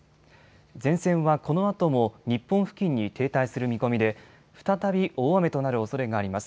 前線はこのあとも日本付近に停滞する見込みで再び大雨となるおそれがあります。